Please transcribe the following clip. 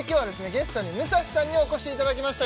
ゲストに武蔵さんにお越しいただきました